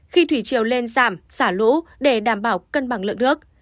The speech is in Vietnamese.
khi thủy chiều lên giảm xả lũ để đảm bảo cân bằng lượng nước